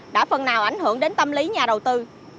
đã phần nào ảnh hưởng đến tâm lý nhà đầu tư